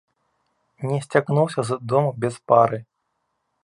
Не сцягнуўся з дому без пары.